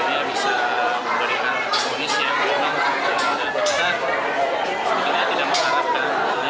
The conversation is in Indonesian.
ini bisa memberikan fonis yang benar dan benar